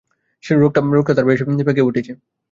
রোগটা তার বেশ পেকেও উঠেছে।